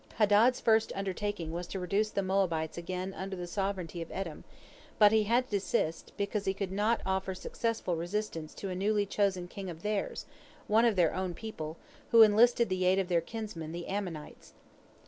Hadad's first undertaking was to reduce the Moabites again under the sovereignty of Edom, but he had to desist, because he could not offer successful resistance to a newly chosen king of theirs, one of their own people, who enlisted the aid of their kinsmen the Ammonites.